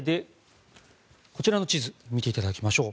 こちらの地図を見ていただきましょう。